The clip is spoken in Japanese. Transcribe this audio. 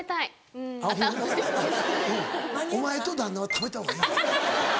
うんお前と旦那は食べた方がいい。